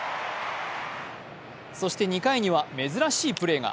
そして、２回には珍しいプレーが。